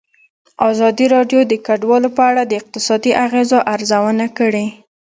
ازادي راډیو د کډوال په اړه د اقتصادي اغېزو ارزونه کړې.